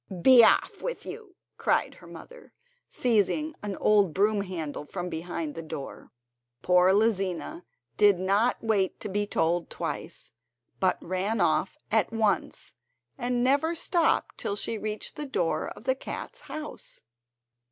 "Be off with you!" cried her mother, seizing an old broom handle from behind the door. Poor Lizina did not wait to be told twice, but ran off at once and never stopped till she reached the door of the cats' house.